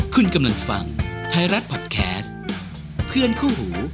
คุณกำลังฟังไทยรัฐพอดแคสต์เพื่อนคู่หู